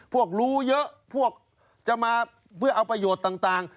พวกรู้เยอะพวกจะมาเพื่อเอาประโยชน์ต่าง